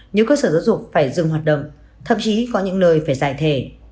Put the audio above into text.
nhiều cơ sở giáo dục phải dừng hoạt động thậm chí có những nơi phải giải thể